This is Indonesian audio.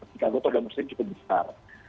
chicago toga muslim cukup besar